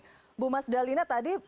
jadi bu mas dalina tadi